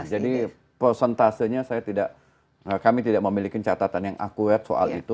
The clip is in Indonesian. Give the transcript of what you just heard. jadi persentasenya kami tidak memiliki catatan yang akurat soal itu